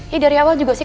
ya dari awal juga sih